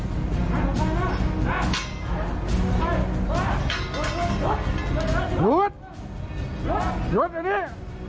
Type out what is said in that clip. หลวดหลวดหลวดไอ้เนี้ย